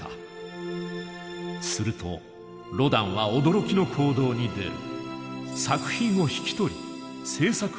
するとロダンは驚きの行動に出る。